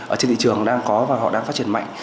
ở trên thị trường đang có và họ đang phát triển mạnh